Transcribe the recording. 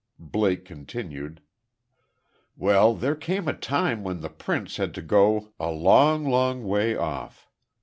Blake continued: "Well, there came a time when the prince had to go a long, long way off.